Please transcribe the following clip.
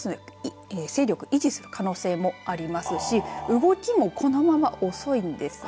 勢力を維持する可能性もありますし動きもこのまま遅いんです。